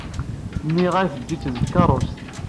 Nniɣ-ak eǧǧ-it deg tkeṛṛust.